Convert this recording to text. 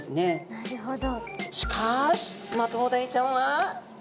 なるほど。